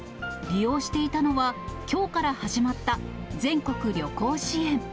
利用していたのは、きょうから始まった全国旅行支援。